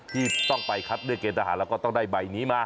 ที่ต้องไปคัดเลือกเกณฑหารแล้วก็ต้องได้ใบนี้มา